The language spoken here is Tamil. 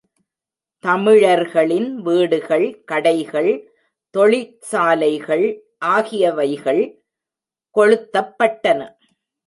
தமிழர்களின் வீடுகள், கடைகள், தொழிற்சாலைகள் ஆகியவைகள் கொளுத்தப்பட்டன.